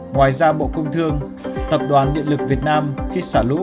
ngoài ra bộ công thương tập đoàn điện lực việt nam khi xả lũ